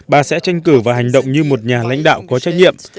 bà sẽ tranh cử và hành động như một nhà lãnh đạo có trách nhiệm